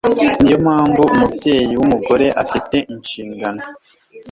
Niyo mpamvu umubyeyi wumugore afite inshingano